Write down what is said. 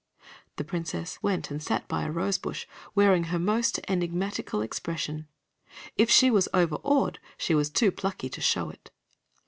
The Princess went and sat by a rosebush, wearing her most enigmatical expression. If she was overawed, she was too plucky to show it.